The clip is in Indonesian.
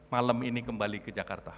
malam ini kembali ke jakarta